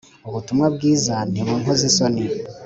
Ubutumwa bwiza ntibunkoza isoni .